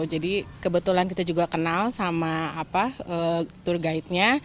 jadi kebetulan kita juga kenal sama tour guide nya